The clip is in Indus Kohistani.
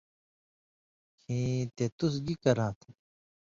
(کھیں تے تُس گی کراتھہ؟